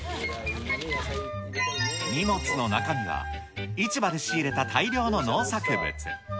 荷物の中身は、市場で仕入れた大量の農作物。